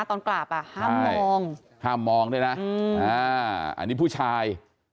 ตอนกราบอ่ะห้ามมองห้ามมองด้วยนะอันนี้ผู้ชาย